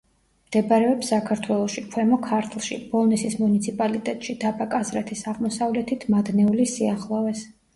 მდებარეობს საქართველოში, ქვემო ქართლში, ბოლნისის მუნიციპალიტეტში, დაბა კაზრეთის აღმოსავლეთით, მადნეულის სიახლოვეს.